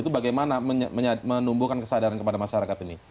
itu bagaimana menumbuhkan kesadaran kepada masyarakat ini